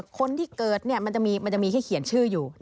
คนที่เกิดเนี่ยมันจะมีแค่เขียนชื่ออยู่